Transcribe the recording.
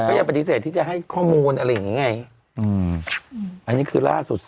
ก็ยังปฏิเสธที่จะให้ข้อมูลอะไรอย่างนี้ไง